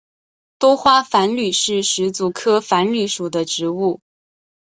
多花繁缕是石竹科繁缕属的植物。